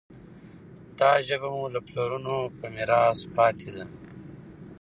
دا ژبه مو له پلرونو په میراث پاتې ده.